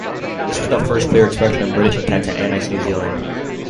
This was the first clear expression of British intent to annex New Zealand.